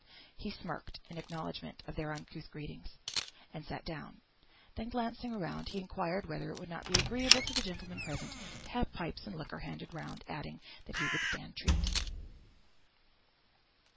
He smirked in acknowledgment of their uncouth greetings, and sat down; then glancing round, he inquired whether it would not be agreeable to the gentlemen present to have pipes and liquor handed round; adding, that he would stand treat.